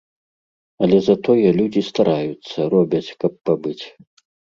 Але затое людзі стараюцца, робяць, каб пабыць.